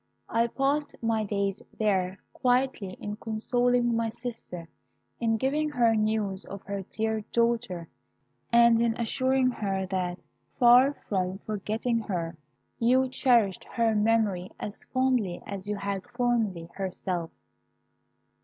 I passed my days there quietly in consoling my sister, in giving her news of her dear daughter, and in assuring her that, far from forgetting her, you cherished her memory as fondly as you had formerly herself.